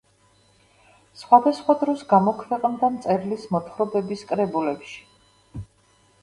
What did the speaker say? სხვადასხვა დროს გამოქვეყნდა მწერლის მოთხრობების კრებულებში.